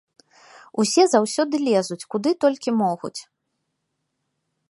Усе заўсёды лезуць, куды толькі могуць.